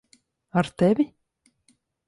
Ar tevi?